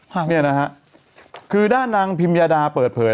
ไม่ใช่เนอะนี่นะฮะคือด้านหลังพิมพ์ยาดาเปิดเผย